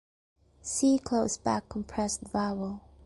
See close back compressed vowel.